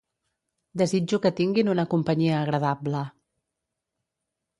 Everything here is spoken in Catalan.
Desitjo que tinguin una companyia agradable.